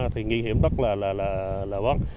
thì nghi hiểm rất là lớn